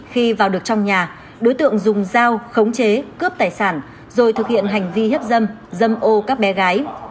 khi vào được trong nhà đối tượng dùng dao khống chế cướp tài sản rồi thực hiện hành vi hiếp dâm dâm ô các bé gái